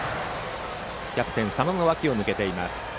キャプテン、佐野の脇を抜けています。